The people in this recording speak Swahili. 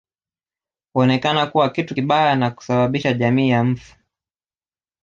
Huonekana kuwa kitu kibaya na kusababisha jamii ya mfu